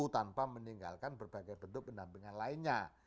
tanpa meninggalkan berbagai bentuk pendampingan lainnya